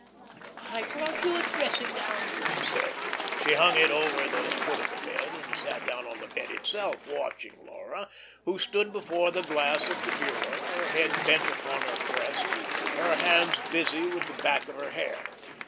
"I brought you a dressing gown," she said. She hung it over the foot of the bed, and sat down on the bed itself, watching Laura, who stood before the glass of the bureau, her head bent upon her breast, her hands busy with the back of her hair.